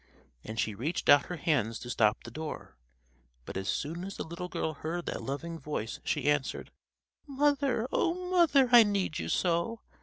and she reached out her hands to stop the door. But as soon as the little girl heard that loving voice she answered: "Mother, oh! Mother! I need you so!